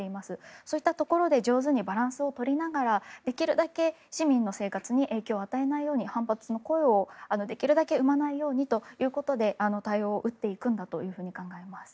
そういったところで上手にバランスを取りながらできるだけ市民の生活に影響を与えないように反発の声をできるだけ生まないようにということで対応を打っていくんだと考えます。